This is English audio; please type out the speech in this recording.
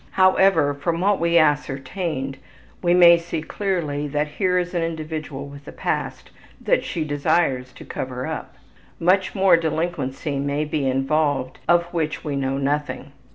However, from what we ascertained, we may see clearly that here is an individual with a past that she desires to cover up. Much more delinquency may be involved of which we know nothing.